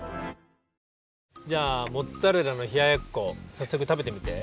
じゃあモッツァレラのひややっこさっそく食べてみて！